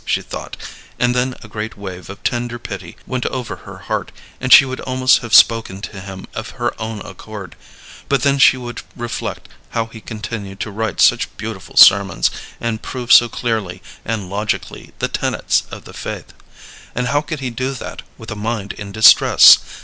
she thought, and then a great wave of tender pity went over her heart, and she would almost have spoken to him of her own accord. But then she would reflect how he continued to write such beautiful sermons, and prove so clearly and logically the tenets of the faith; and how could he do that with a mind in distress?